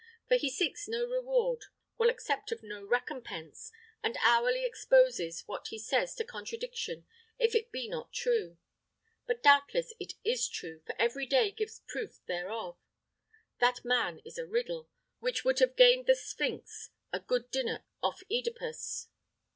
For he seeks no reward, will accept of no recompense, and hourly exposes what he says to contradiction if it be not true. But doubtless it is true, for every day gives proofs thereof. That man is a riddle, which would have gained the Sphynx a good dinner off [OE]dipus.